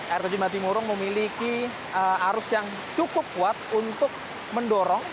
air terjun mati murung memiliki arus yang cukup kuat untuk mendorong